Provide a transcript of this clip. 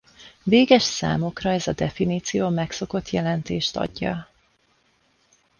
Véges számokra ez a definíció a megszokott jelentést adja.